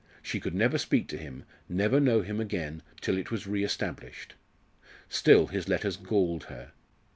She could never speak to him, never know him again till it was re established. Still his letters galled her.